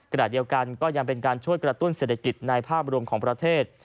ขณะเดียวกันก็ยังเป็นการช่วยกระตุ้นเศรษฐกิจในภาพรวมของประเทศ